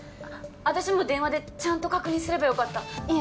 私も電話でちゃんと確認すればよかったいえ